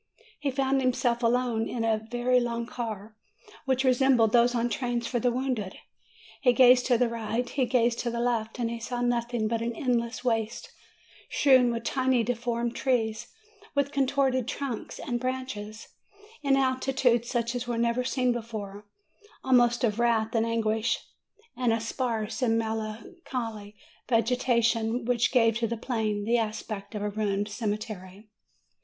He found himself alone in a very long car, which resembled those on trains for the wounded. He gazed to the right, he gazed to the left, and he saw nothing but an endless waste, strewn with tiny, deformed trees, with contorted trunks and branches, in attitudes such as were never seen before, almost of wrath and anguish, and a sparse and melancholy vegetation, which gave to the plain the aspect of a ruined cemetery.